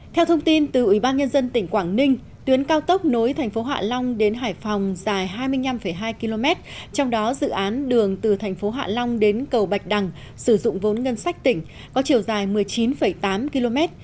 theo thông tin từ ubnd tỉnh quảng ninh tuyến cao tốc nối thành phố hạ long đến hải phòng dài hai mươi năm hai km trong đó dự án đường từ thành phố hạ long đến cầu bạch đằng sử dụng vốn ngân sách tỉnh có chiều dài một mươi chín tám km